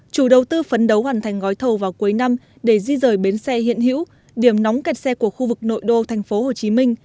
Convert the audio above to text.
chủ đầu tư phấn đấu hoàn thành gói thầu vào cuối năm để di rời bến xe hiện hữu điểm nóng kẹt xe của khu vực nội đô tp hcm